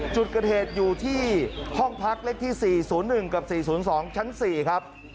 จุดเกิดเหตุอยู่ที่ห้องพักเลขที่๔๐๑กับ๔๐๒ชั้น๔ครับ